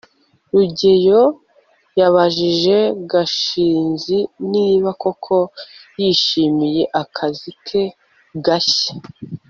rugeyo yabajije gashinzi niba koko yishimiye akazi ke gashya